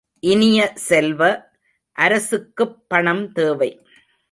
இனிய செல்வ, அரசுக்குப் பணம் தேவை.